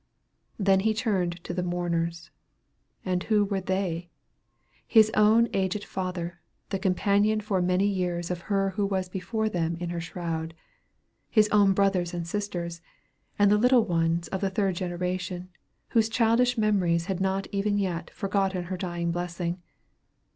Then he turned to the mourners. And who were they? His own aged father, the companion for many years of her who was before them in her shroud. His own brothers and sisters, and the little ones of the third generation, whose childish memories had not even yet forgotten her dying blessing.